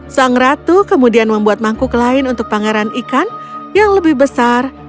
sang ratu kemudian membuat mangkuk lain untuk pangeran ikan yang lebih besar